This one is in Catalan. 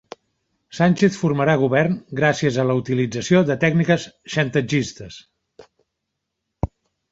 Sánchez formarà govern gràcies a la utilització de tècniques xantatgistes